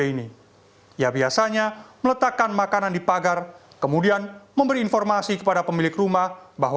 ini ia biasanya meletakkan makanan di pagar kemudian memberi informasi kepada pemilik rumah bahwa